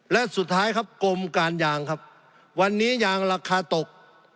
และสุดท้ายครับกรมการยางครับวันนี้ยางราคาตก